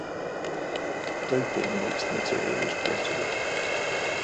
Doping makes the materials brittle.